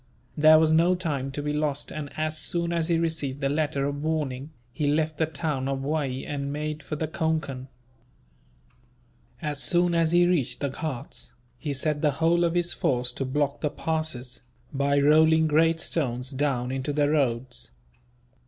There was no time to be lost and, as soon as he received the letter of warning, he left the town of Waee and made for the Concan. As soon as he reached the Ghauts, he set the whole of his force to block the passes, by rolling great stones down into the roads.